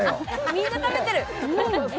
みんな食べてる！